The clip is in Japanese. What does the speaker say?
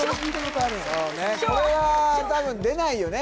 これは多分出ないよね